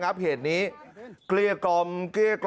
สวัสดีครับคุณผู้ชาย